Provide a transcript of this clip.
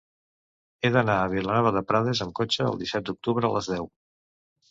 He d'anar a Vilanova de Prades amb cotxe el disset d'octubre a les deu.